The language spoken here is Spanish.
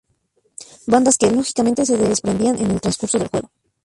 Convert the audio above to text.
Bandas que, lógicamente, se desprendían en el transcurso del juego.